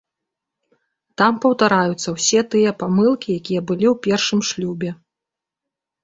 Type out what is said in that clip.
Там паўтараюцца ўсе тыя памылкі, якія былі ў першым шлюбе.